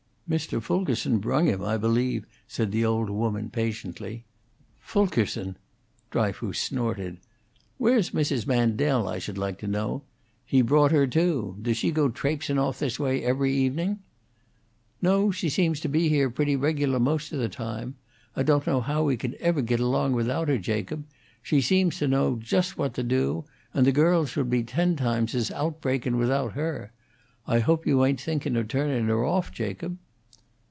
"Mr. Fulkerson brung him, I believe," said the old woman, patiently. "Fulkerson!" Dryfoos snorted. "Where's Mrs. Mandel, I should like to know? He brought her, too. Does she go traipsin' off this way every evening?" "No, she seems to be here pretty regular most o' the time. I don't know how we could ever git along without her, Jacob; she seems to know just what to do, and the girls would be ten times as outbreakin' without her. I hope you ain't thinkin' o' turnin' her off, Jacob?"